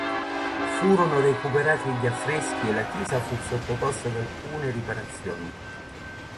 Furono recuperati gli affreschi e la chiesa fu sottoposta ad alcune riparazioni.